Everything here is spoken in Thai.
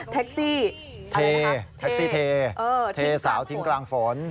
เท็กซี่เทสาวทิมกลางฝน